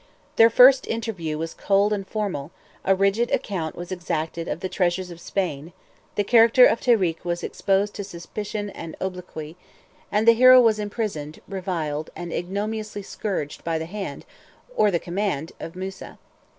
Their first interview was cold and formal: a rigid account was exacted of the treasures of Spain: the character of Tarik was exposed to suspicion and obloquy; and the hero was imprisoned, reviled, and ignominiously scourged by the hand, or the command, of Musa.